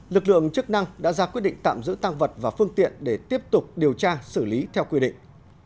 lực lượng chức năng đã ra quyết định tạm giữ tăng vật và phương tiện để tiếp tục điều tra xử lý theo quy định